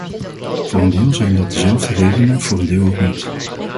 Voor een deel zijn dat dezelfde redenen, voor een deel ook niet.